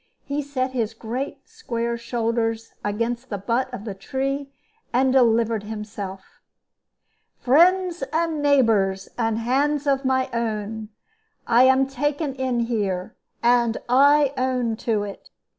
He set his great square shoulders against the butt of the tree, and delivered himself: "Friends and neighbors, and hands of my own, I am taken in here, and I own to it.